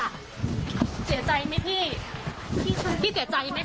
เสียใจไหมพี่พี่เสียใจไหมคะเคยทำแบบนี้เมื่อก่อนพี่อยากพูดอะไรไหมคะพี่